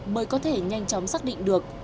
mới có thể nhanh chóng xác định được